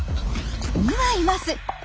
２羽います。